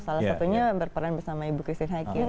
salah satunya berperan bersama ibu christine hacker